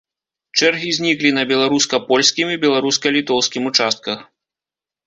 Чэргі зніклі на беларуска-польскім і беларуска-літоўскім участках.